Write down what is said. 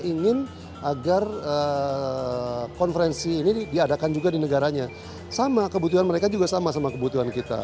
ingin agar konferensi ini diadakan juga di negaranya sama kebutuhan mereka juga sama sama kebutuhan kita